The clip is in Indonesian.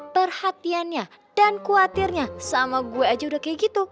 perhatiannya dan khawatirnya sama gue aja udah kayak gitu